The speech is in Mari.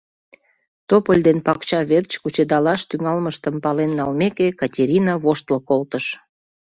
Тополь ден пакча верч кучедалаш тӱҥалмыштым пален налмеке, Катерина воштыл колтыш: